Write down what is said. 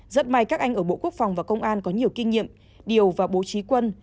rất may các anh ở bộ quốc phòng và công an có nhiều kinh nghiệm điều và bố trí quân